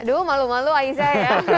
aduh malu malu aisah ya